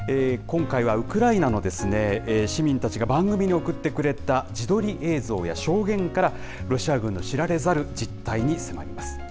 今回はウクライナの市民たちが番組に送ってくれた自撮り映像や証言から、ロシア軍の知られざる実態に迫ります。